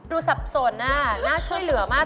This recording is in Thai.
ดูซับสนอะน่าจะช่วยเหลือมาก